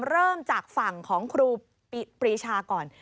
เริ่มจากฝั่งของครูปรีชาก่อน